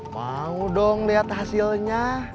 mau dong lihat hasilnya